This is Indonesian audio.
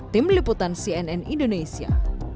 tim liputan cnn indonesia